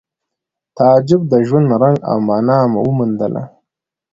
تعجب د ژوند رنګ او مانا وموندله